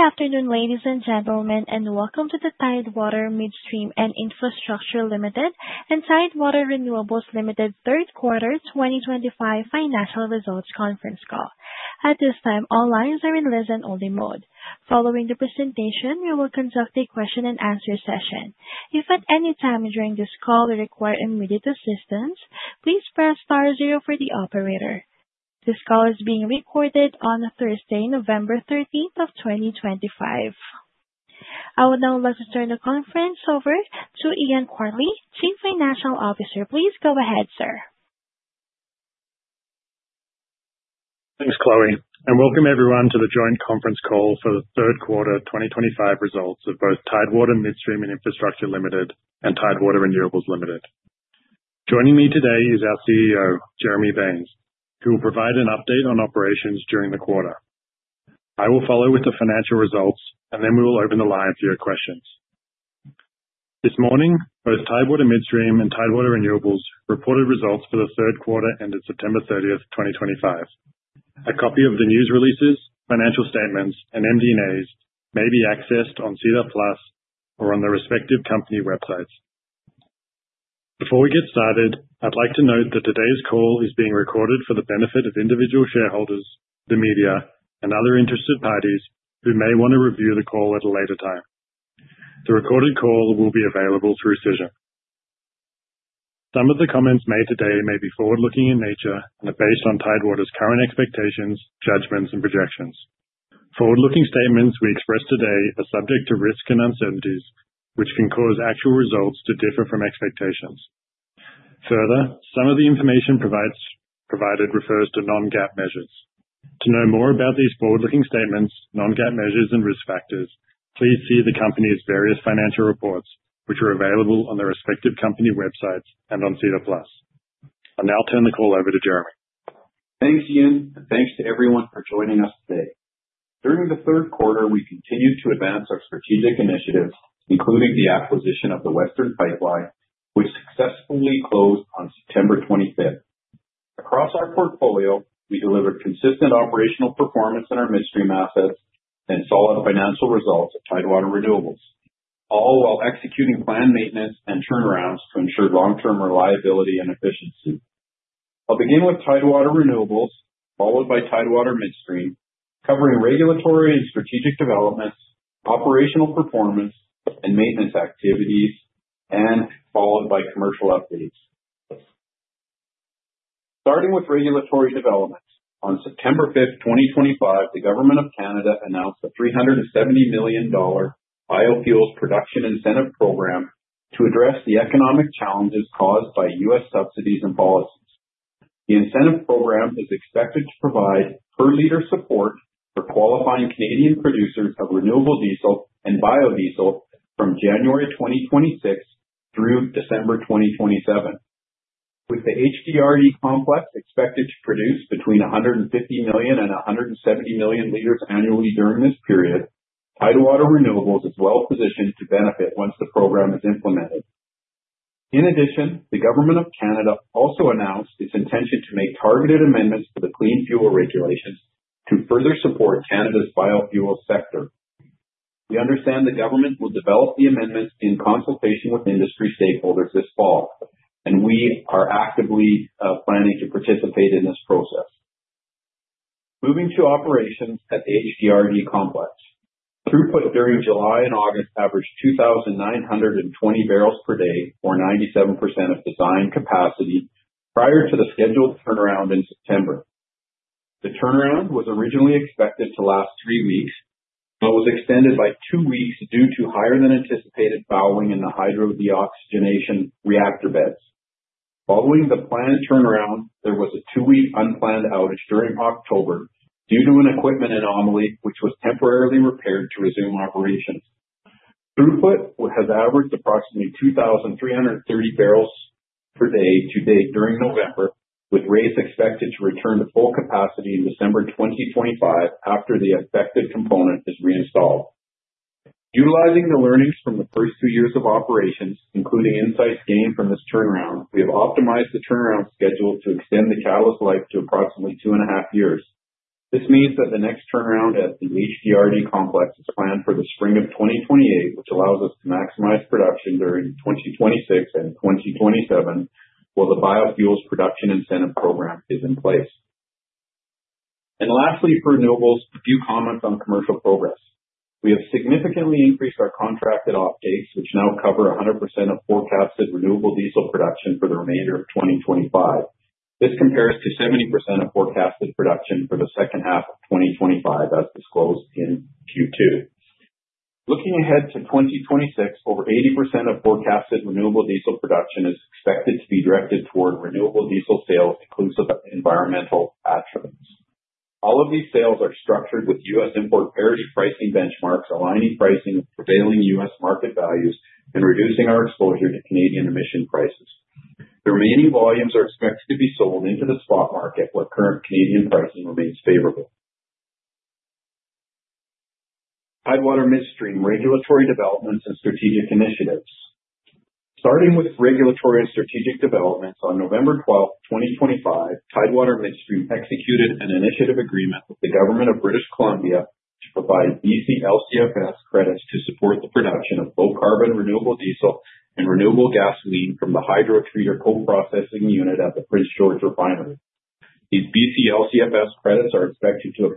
Good afternoon, ladies and gentlemen, and welcome to the Tidewater Midstream and Infrastructure and Tidewater Renewables Third Quarter 2025 Financial Results Conference Call. At this time, all lines are in listen-only mode. Following the presentation, we will conduct a question-and-answer session. If at any time during this call you require immediate assistance, please press star-zero for the operator. This call is being recorded on Thursday, November 13th, 2025. I would now like to turn the conference over to Ian Quartly, Chief Financial Officer. Please go ahead, sir. Thanks, Chloe. Welcome, everyone, to the joint conference call for the third quarter 2025 results of both Tidewater Midstream and Infrastructure and Tidewater Renewables. Joining me today is our CEO, Jeremy Baines, who will provide an update on operations during the quarter. I will follow with the financial results, and then we will open the line for your questions. This morning, both Tidewater Midstream and Tidewater Renewables reported results for the third quarter ended September 30, 2025. A copy of the news releases, financial statements, and MD&As may be accessed on SEDAR+ or on the respective company websites. Before we get started, I'd like to note that today's call is being recorded for the benefit of individual shareholders, the media, and other interested parties who may want to review the call at a later time. The recorded call will be available through SEDAR+. Some of the comments made today may be forward-looking in nature and are based on Tidewater Renewables' current expectations, judgments, and projections. Forward-looking statements we express today are subject to risk and uncertainties, which can cause actual results to differ from expectations. Further, some of the information provided refers to non-GAAP measures. To know more about these forward-looking statements, non-GAAP measures, and risk factors, please see the company's various financial reports, which are available on the respective company websites and on SEDAR+. I'll now turn the call over to Jeremy. Thanks, Ian. Thanks to everyone for joining us today. During the third quarter, we continued to advance our strategic initiatives, including the acquisition of the Western Pipeline, which successfully closed on September 25th. Across our portfolio, we delivered consistent operational performance in our midstream assets and solid financial results at Tidewater Renewables, all while executing planned maintenance and turnarounds to ensure long-term reliability and efficiency. I'll begin with Tidewater Renewables, followed by Tidewater Midstream, covering regulatory and strategic developments, operational performance, and maintenance activities, and followed by commercial updates. Starting with regulatory developments, on September 5th, 2025, the Government of Canada announced a 370 million dollar biofuels production incentive program to address the economic challenges caused by U.S. subsidies and policies. The incentive program is expected to provide per-liter support for qualifying Canadian producers of renewable diesel and biodiesel from January 2026 through December 2027. With the HDRE complex expected to produce between 150 million and 170 million liters annually during this period, Tidewater Renewables is well positioned to benefit once the program is implemented. In addition, the Government of Canada also announced its intention to make targeted amendments to the Clean Fuel Regulations to further support Canada's biofuel sector. We understand the government will develop the amendments in consultation with industry stakeholders this fall, and we are actively planning to participate in this process. Moving to operations at the HDRE complex, throughput during July and August averaged 2,920 barrels per day, or 97% of design capacity, prior to the scheduled turnaround in September. The turnaround was originally expected to last three weeks, but was extended by two weeks due to higher-than-anticipated bowing in the Hydrodeoxygenation reactor beds. Following the planned turnaround, there was a two-week unplanned outage during October due to an equipment anomaly, which was temporarily repaired to resume operations. Throughput has averaged approximately 2,330 barrels per day to date during November, with rates expected to return to full capacity in December 2025 after the affected component is reinstalled. Utilizing the learnings from the first two years of operations, including insights gained from this turnaround, we have optimized the turnaround schedule to extend the catalyst life to approximately two and a half years. This means that the next turnaround at the HDRE complex is planned for the spring of 2028, which allows us to maximize production during 2026 and 2027 while the biofuels production incentive program is in place. Lastly, for renewables, a few comments on commercial progress. We have significantly increased our contracted offtakes, which now cover 100% of forecasted renewable diesel production for the remainder of 2025. This compares to 70% of forecasted production for the second half of 2025, as disclosed in Q2. Looking ahead to 2026, over 80% of forecasted renewable diesel production is expected to be directed toward renewable diesel sales, inclusive of environmental attributes. All of these sales are structured with U.S. import-parity pricing benchmarks, aligning pricing with prevailing U.S. market values and reducing our exposure to Canadian emission prices. The remaining volumes are expected to be sold into the spot market, where current Canadian pricing remains favorable. Tidewater Renewables Regulatory Developments and Strategic Initiatives. Starting with regulatory and strategic developments, on November 12th, 2025, Tidewater Renewables executed an initiative agreement with the Government of British Columbia to provide BC-LCFS credits to support the production of low-carbon renewable diesel and renewable gasoline from the hydrotreater co-processing unit at the Prince George Refinery. These BC-LCFS credits are expected to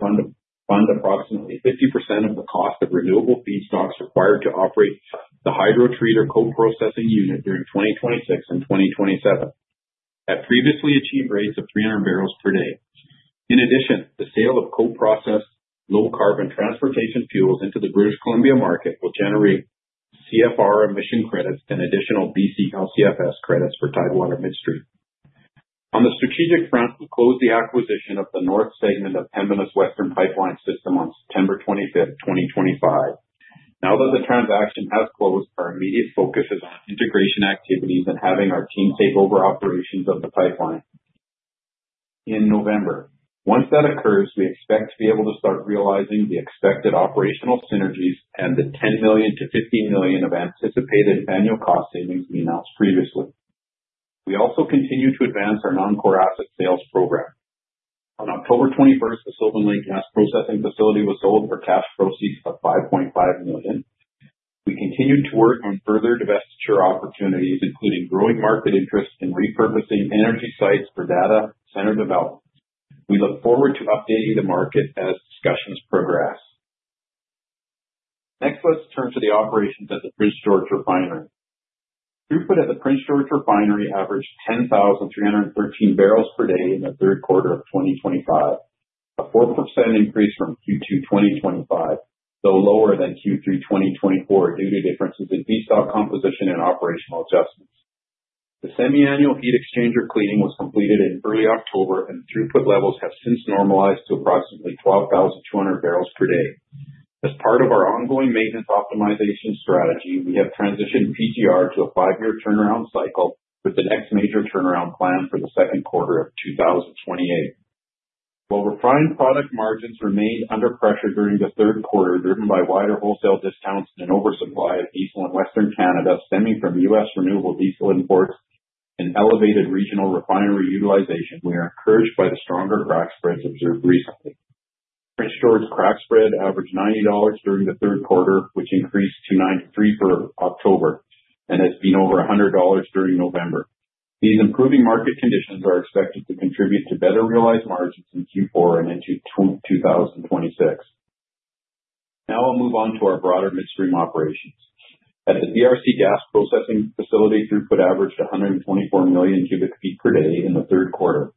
fund approximately 50% of the cost of renewable feedstocks required to operate the hydrotreater co-processing unit during 2026 and 2027 at previously achieved rates of 300 barrels per day. In addition, the sale of co-processed low-carbon transportation fuels into the British Columbia market will generate CFR emission credits and additional BC-LCFS credits for Tidewater Renewables. On the strategic front, we closed the acquisition of the North Segment of Pembina's Western Pipeline System on September 25th, 2025. Now that the transaction has closed, our immediate focus is on integration activities and having our team take over operations of the pipeline in November. Once that occurs, we expect to be able to start realizing the expected operational synergies and the 10 million–15 million of anticipated annual cost savings we announced previously. We also continue to advance our non-core asset sales program. On October 21st, the Sylvan Lake Gas Processing Facility was sold for cash proceeds of 5.5 million. We continue to work on further divestiture opportunities, including growing market interest in repurposing energy sites for data-centered developments. We look forward to updating the market as discussions progress. Next, let's turn to the operations at the Prince George Refinery. Throughput at the Prince George Refinery averaged 10,313 barrels per day in the third quarter of 2025, a 4% increase from Q2 2025, though lower than Q3 2024 due to differences in feedstock composition and operational adjustments. The semiannual heat exchanger cleaning was completed in early October, and throughput levels have since normalized to approximately 12,200 barrels per day. As part of our ongoing maintenance optimization strategy, we have transitioned PGR to a five-year turnaround cycle with the next major turnaround planned for the second quarter of 2028. While refined product margins remained under pressure during the third quarter, driven by wider wholesale discounts and an oversupply of diesel in Western Canada stemming from U.S. renewable diesel imports and elevated regional refinery utilization, we are encouraged by the stronger crack spreads observed recently. Prince George crack spread averaged $90 during the third quarter, which increased to $93 for October and has been over $100 during November. These improving market conditions are expected to contribute to better realized margins in Q4 and into 2026. Now I'll move on to our broader midstream operations. At the DRC Gas Processing Facility, throughput averaged 124 million cubic feet per day in the third quarter,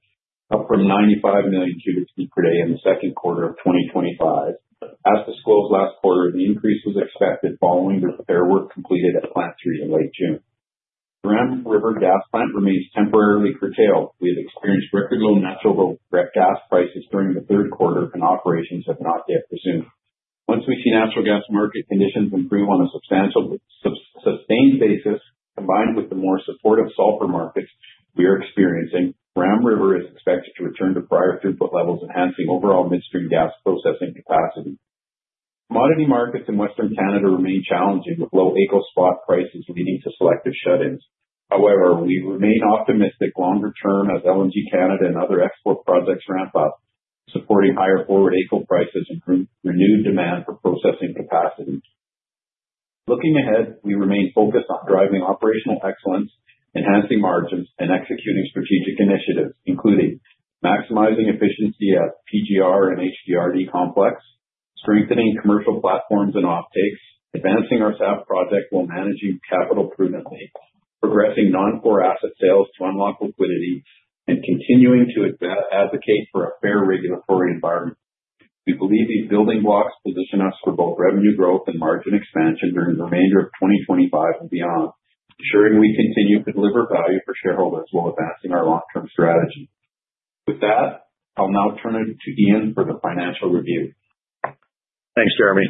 up from 95 million cubic feet per day in the second quarter of 2025. As disclosed last quarter, the increase was expected following the repair work completed at Plant 3 in late June. The Ram River Gas Plant remains temporarily curtailed. We have experienced record-low natural gas prices during the third quarter, and operations have not yet resumed. Once we see natural gas market conditions improve on a substantial sustained basis, combined with the more supportive sulfur markets we are experiencing, Ram River is expected to return to prior throughput levels, enhancing overall midstream gas processing capacity. Commodity markets in Western Canada remain challenging, with low ACO spot prices leading to selective shut-ins. However, we remain optimistic longer term as LNG Canada and other export projects ramp up, supporting higher forward ACO prices and renewed demand for processing capacity. Looking ahead, we remain focused on driving operational excellence, enhancing margins, and executing strategic initiatives, including maximizing efficiency at PGR and HDRE complex, strengthening commercial platforms and offtakes, advancing our SAP project while managing capital prudently, progressing non-core asset sales to unlock liquidity, and continuing to advocate for a fair regulatory environment. We believe these building blocks position us for both revenue growth and margin expansion during the remainder of 2025 and beyond, ensuring we continue to deliver value for shareholders while advancing our long-term strategy. With that, I'll now turn it to Ian for the financial review. Thanks, Jeremy.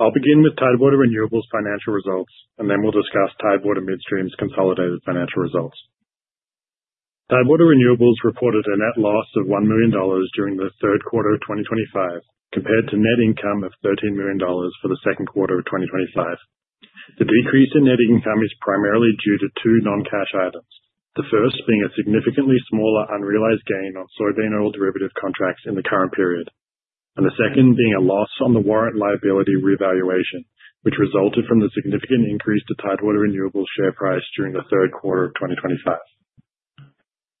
I'll begin with Tidewater Renewables' financial results, and then we'll discuss Tidewater Midstream's consolidated financial results. Tidewater Renewables reported a net loss of 1 million dollars during the third quarter of 2025, compared to net income of 13 million dollars for the second quarter of 2025. The decrease in net income is primarily due to two non-cash items, the first being a significantly smaller unrealized gain on soybean oil derivative contracts in the current period, and the second being a loss on the warrant liability revaluation, which resulted from the significant increase to Tidewater Renewables' share price during the third quarter of 2025.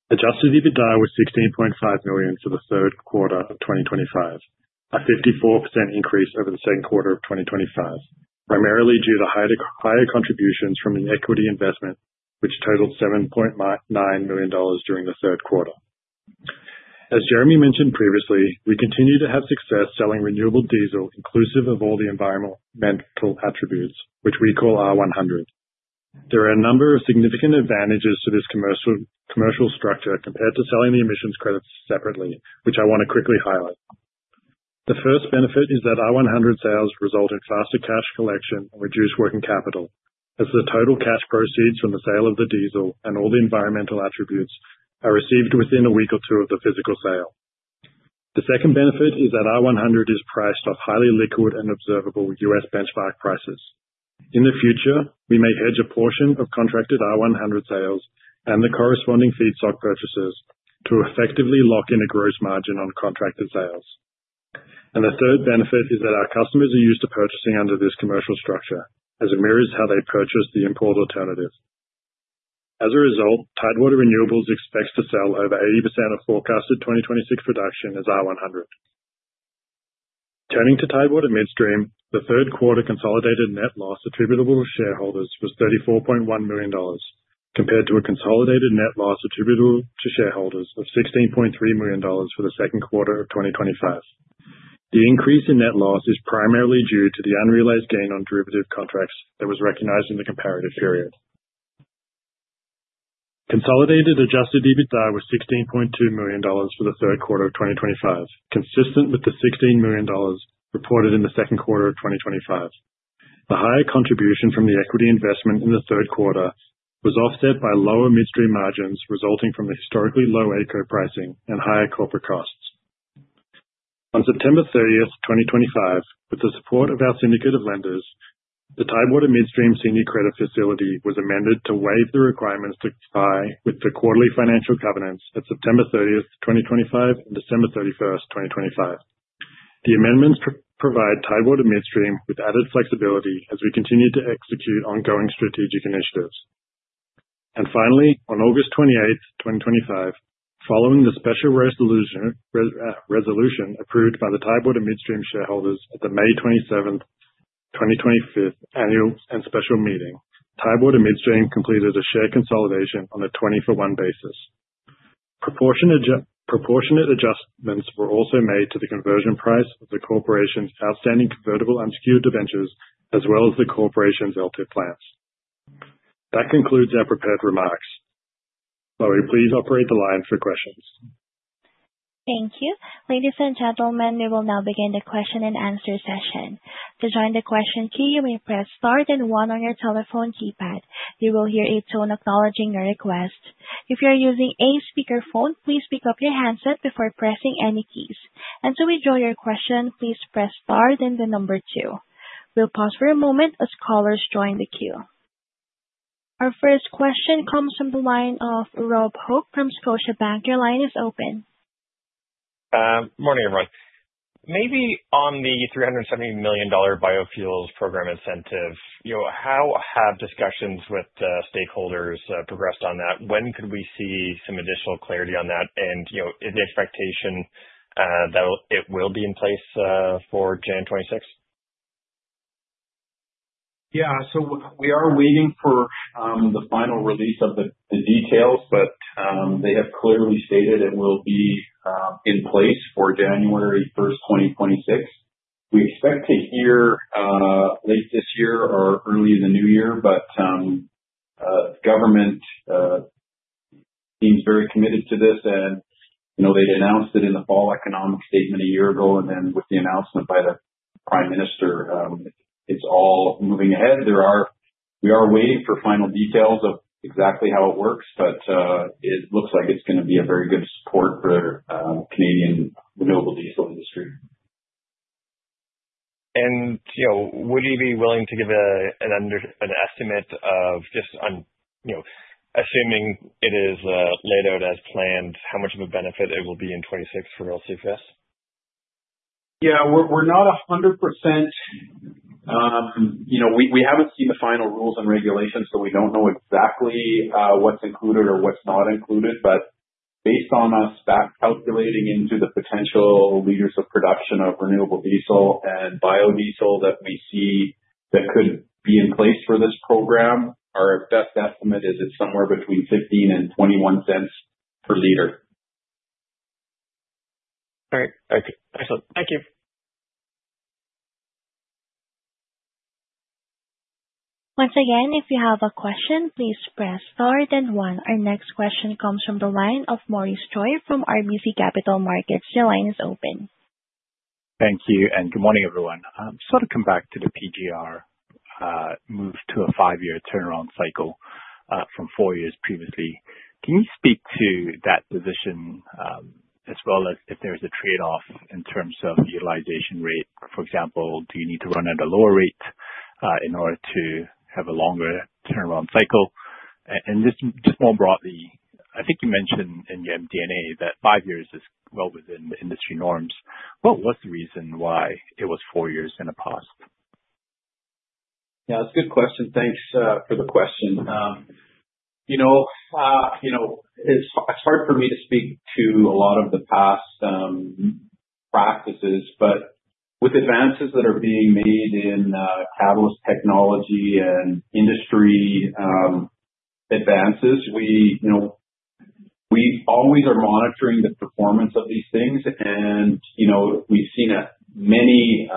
Adjusted EBITDA was 16.5 million for the third quarter of 2025, a 54% increase over the second quarter of 2025, primarily due to higher contributions from the equity investment, which totaled 7.9 million dollars during the third quarter. As Jeremy mentioned previously, we continue to have success selling renewable diesel, inclusive of all the environmental attributes, which we call R100. There are a number of significant advantages to this commercial structure compared to selling the emissions credits separately, which I want to quickly highlight. The first benefit is that R100 sales result in faster cash collection and reduced working capital, as the total cash proceeds from the sale of the diesel and all the environmental attributes are received within a week or two of the physical sale. The second benefit is that R100 is priced off highly liquid and observable U.S. benchmark prices. In the future, we may hedge a portion of contracted R100 sales and the corresponding feedstock purchases to effectively lock in a gross margin on contracted sales. The third benefit is that our customers are used to purchasing under this commercial structure, as it mirrors how they purchase the import alternative. As a result, Tidewater Renewables expects to sell over 80% of forecasted 2026 production as R100. Turning to Tidewater Midstream, the third quarter consolidated net loss attributable to shareholders was CAD 34.1 million, compared to a consolidated net loss attributable to shareholders of CAD 16.3 million for the second quarter of 2025. The increase in net loss is primarily due to the unrealized gain on derivative contracts that was recognized in the comparative period. Consolidated adjusted EBITDA was 16.2 million dollars for the third quarter of 2025, consistent with the 16 million dollars reported in the second quarter of 2025. The higher contribution from the equity investment in the third quarter was offset by lower midstream margins resulting from the historically low ACO pricing and higher corporate costs. On September 30th, 2025, with the support of our syndicate of lenders, the Tidewater Midstream Senior Credit Facility was amended to waive the requirements to comply with the quarterly financial covenants at September 30th, 2025, and December 31st, 2025. The amendments provide Tidewater Midstream with added flexibility as we continue to execute ongoing strategic initiatives. Finally, on August 28th, 2025, following the special resolution approved by the Tidewater Midstream shareholders at the May 27th, 2025 annual and special meeting, Tidewater Midstream completed a share consolidation on a 20-for-1 basis. Proportionate adjustments were also made to the conversion price of the corporation's outstanding convertible unsecured debentures, as well as the corporation's LTIF plans. That concludes our prepared remarks. Chloe, please operate the line for questions. Thank you. Ladies and gentlemen, we will now begin the question and answer session. To join the question queue, you may press star and one on your telephone keypad. You will hear a tone acknowledging your request. If you are using a speakerphone, please pick up your handset before pressing any keys. To withdraw your question, please press star and the number two. We'll pause for a moment as callers join the queue. Our first question comes from the line of Rob Hope from Scotiabank. Your line is open. Good morning, everyone. Maybe on the 370 million dollar biofuels program incentive, how have discussions with stakeholders progressed on that? When could we see some additional clarity on that? Is the expectation that it will be in place for January 26, 2026? Yeah. We are waiting for the final release of the details, but they have clearly stated it will be in place for January 1, 2026. We expect to hear late this year or early in the new year, but the government seems very committed to this. They announced it in the fall economic statement a year ago, and with the announcement by the Prime Minister, it's all moving ahead. We are waiting for final details of exactly how it works, but it looks like it's going to be a very good support for the Canadian renewable diesel industry. Would you be willing to give an estimate of just assuming it is laid out as planned, how much of a benefit it will be in 2026 for LCFS? Yeah. We're not 100%. We haven't seen the final rules and regulations, so we don't know exactly what's included or what's not included. Based on us back calculating into the potential liters of production of renewable diesel and biodiesel that we see that could be in place for this program, our best estimate is it's somewhere between 15–21 cents per liter. All right. Excellent. Thank you. Once again, if you have a question, please press star and one. Our next question comes from the line of Maurice Choy from RBC Capital Markets. Your line is open. Thank you. Good morning, everyone. I am sort of coming back to the PGR move to a five-year turnaround cycle from four years previously. Can you speak to that position as well as if there is a trade-off in terms of utilization rate? For example, do you need to run at a lower rate in order to have a longer turnaround cycle? More broadly, I think you mentioned in your MD&A that five years is well within the industry norms. What was the reason why it was four years in the past? Yeah. That's a good question. Thanks for the question. It's hard for me to speak to a lot of the past practices, but with advances that are being made in catalyst technology and industry advances, we always are monitoring the performance of these things. We've seen many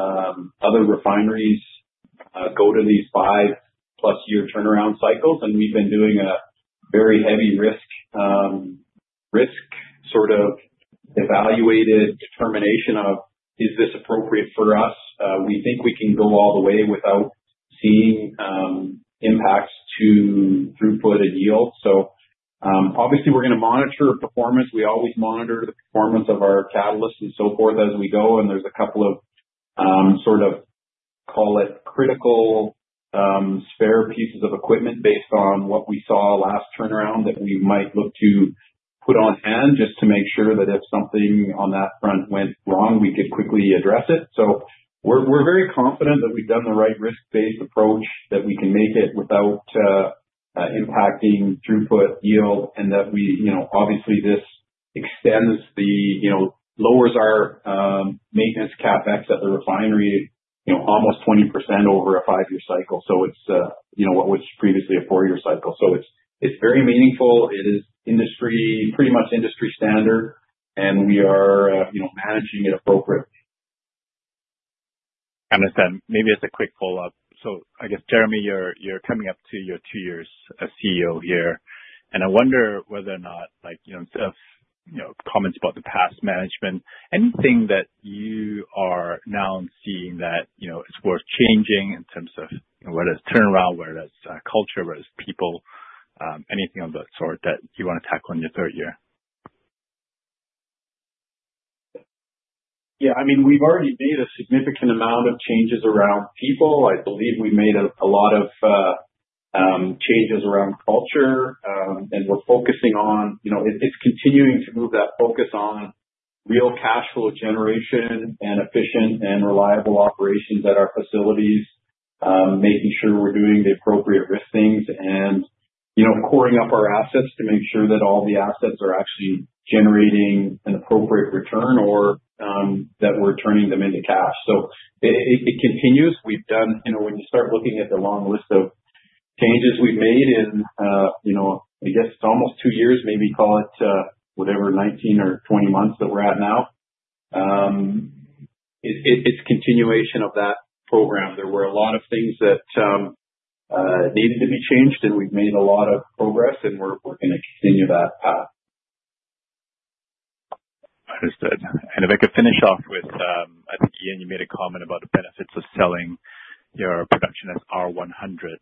other refineries go to these five-plus-year turnaround cycles. We've been doing a very heavy risk sort of evaluated determination of, is this appropriate for us? We think we can go all the way without seeing impacts to throughput and yield. Obviously, we're going to monitor performance. We always monitor the performance of our catalysts and so forth as we go. There are a couple of sort of, call it critical spare pieces of equipment based on what we saw last turnaround that we might look to put on hand just to make sure that if something on that front went wrong, we could quickly address it. We are very confident that we have done the right risk-based approach, that we can make it without impacting throughput, yield, and that obviously this extends and lowers our maintenance CapEx at the refinery almost 20% over a five-year cycle. What was previously a four-year cycle is now very meaningful. It is pretty much industry standard, and we are managing it appropriately. I understand. Maybe as a quick follow-up, I guess, Jeremy, you're coming up to your two years as CEO here. I wonder whether or not, instead of comments about the past management, anything that you are now seeing that is worth changing in terms of whether it's turnaround, whether it's culture, whether it's people, anything of that sort that you want to tackle in your third year? Yeah. I mean, we've already made a significant amount of changes around people. I believe we made a lot of changes around culture, and we're focusing on it's continuing to move that focus on real cash flow generation and efficient and reliable operations at our facilities, making sure we're doing the appropriate risk things and coring up our assets to make sure that all the assets are actually generating an appropriate return or that we're turning them into cash. It continues. When you start looking at the long list of changes we've made in, I guess, almost two years, maybe call it whatever, 19 or 20 months that we're at now, it's continuation of that program. There were a lot of things that needed to be changed, and we've made a lot of progress, and we're going to continue that path. Understood. If I could finish off with, I think, Ian, you made a comment about the benefits of selling your production as R100.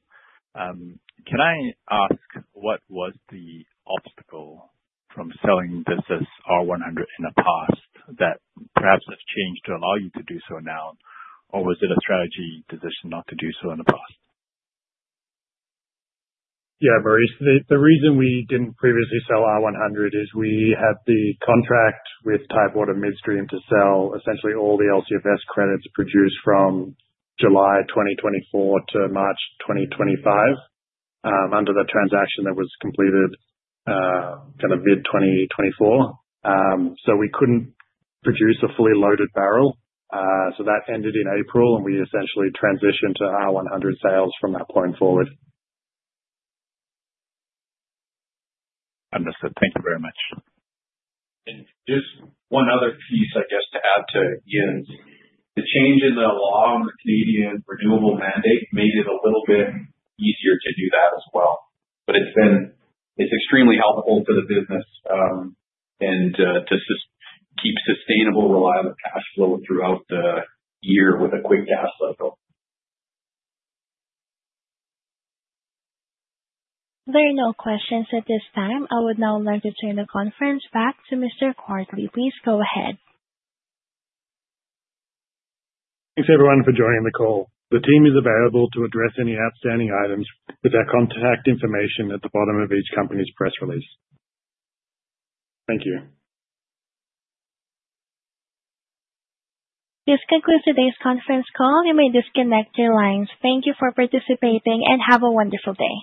Can I ask what was the obstacle from selling this as R100 in the past that perhaps has changed to allow you to do so now? Was it a strategy decision not to do so in the past? Yeah, Maurice. The reason we did not previously sell R100 is we had the contract with Tidewater Midstream to sell essentially all the LCFS credits produced from July 2024 to March 2025 under the transaction that was completed kind of mid-2024. We could not produce a fully loaded barrel. That ended in April, and we essentially transitioned to R100 sales from that point forward. Understood. Thank you very much. Just one other piece, I guess, to add to Ian's. The change in the law on the Canadian renewable mandate made it a little bit easier to do that as well. It is extremely helpful for the business and to keep sustainable, reliable cash flow throughout the year with a quick gas cycle. There are no questions at this time. I would now like to turn the conference back to Mr. Colcleugh. Please go ahead. Thanks, everyone, for joining the call. The team is available to address any outstanding items with their contact information at the bottom of each company's press release. Thank you. This concludes today's conference call. You may disconnect your lines. Thank you for participating and have a wonderful day.